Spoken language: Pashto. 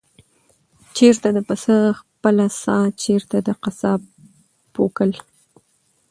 چېرته د پسه خپله ساه، چېرته د قصاب پوکل؟